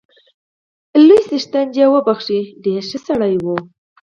لوی څښتن دې يې وبخښي، ډېر ښه سړی وو